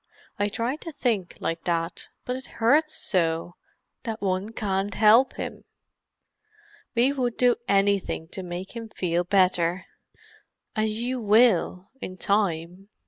"I tried to think like that—but it hurts so, that one can't help him. We would do anything to make him feel better." "And you will, in time.